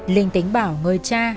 linh tính bảo người cha